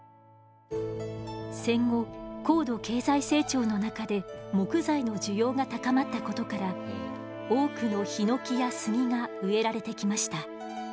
戦後高度経済成長の中で木材の需要が高まったことから多くのヒノキやスギが植えられてきました。